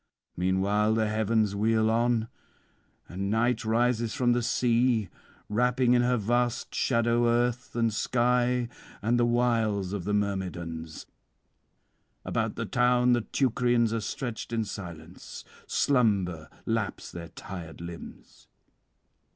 Meanwhile the heavens wheel on, and night rises from the sea, wrapping in her vast shadow earth and sky and the wiles of the Myrmidons; about the town the Teucrians are stretched in silence; slumber laps their tired limbs.